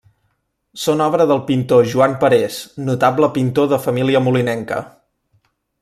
Són obra del pintor Joan Parés, notable pintor de família molinenca.